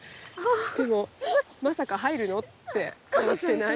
でも「まさか入るの？」って顔してない？